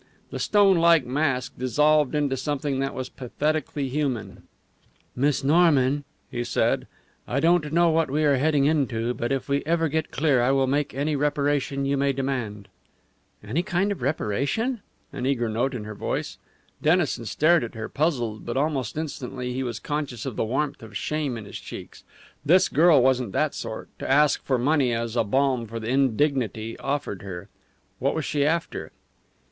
The stone like mask dissolved into something that was pathetically human. "Miss Norman," he said, "I don't know what we are heading into, but if we ever get clear I will make any reparation you may demand." "Any kind of a reparation?" an eager note in her voice. Dennison stared at her, puzzled, but almost instantly he was conscious of the warmth of shame in his cheeks. This girl wasn't that sort to ask for money as a balm for the indignity offered her. What was she after?